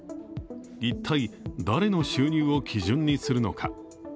一体、誰の収入を基準にするのか。